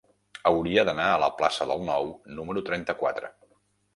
Hauria d'anar a la plaça del Nou número trenta-quatre.